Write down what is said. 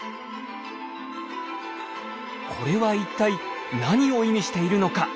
これは一体何を意味しているのか？